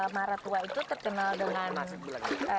maratua itu terkenal dengan